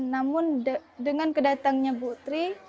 namun dengan kedatangannya bu tri